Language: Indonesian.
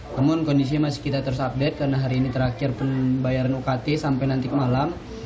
namun kondisinya masih kita terus update karena hari ini terakhir pembayaran ukt sampai nanti ke malam